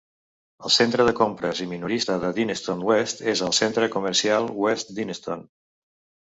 El centre de compres i minorista de Denistone West és el Centre Comercial West Denistone.